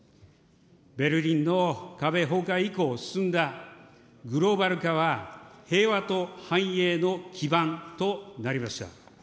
ベルリンの壁崩壊以降進んだグローバル化は、平和と繁栄の基盤となりました。